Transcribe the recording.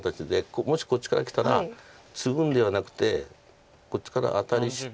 もしこっちからきたらツグんではなくてこっちからアタリして。